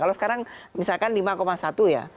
kalau sekarang misalkan lima satu ya